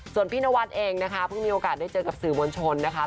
ส่วนพี่นวัดเองนะคะเพิ่งมีโอกาสได้เจอกับสื่อมวลชนนะคะ